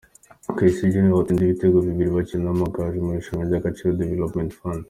Kasirye niwe watsinze ibitego bibiri bakina n’Amagaju mu irushanwa ry’Agaciro Development Fund.